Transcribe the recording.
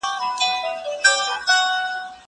زه به اوږده موده خبري کړې وم.